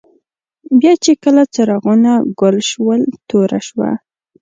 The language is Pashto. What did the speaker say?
بیا چي کله څراغونه ګل شول، توره شوه.